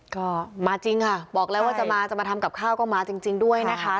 ก็มาจริงค่ะบอกแล้วว่าจะมาจะมาทำกับข้าวก็มาจริงด้วยนะคะ